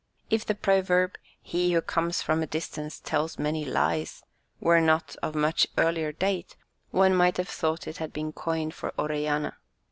If the proverb "He who comes from a distance tells many lies" were not of much earlier date, one might have thought it had been coined for Orellana.